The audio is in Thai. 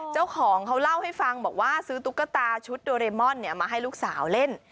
เจ้าของเขาเล่าให้ฟังบอกว่าซื้อตุ๊กตาชุดโดเรมอนมาให้ลูกสาวเล่น